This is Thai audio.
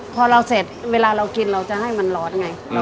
พอเราเสร็จเวลาเรากินเราจะให้มันร้อนไง